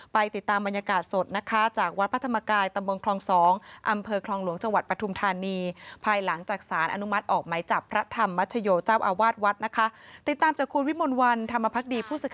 ไปติดตามบรรยากาศสดนะคะจากวัดพระธรรมกายตำรวงคลอง๒